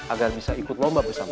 agar bisa ikut lomba bersama